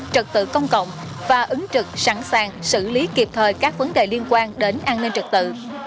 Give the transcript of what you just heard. trật tự công cộng và ứng trực sẵn sàng xử lý kịp thời các vấn đề liên quan đến an ninh trật tự